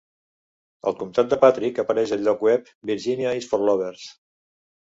El comtat de Patrick apareix al lloc web Virginia is For Lovers.